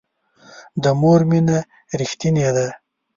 د مور مینه ریښتینې ده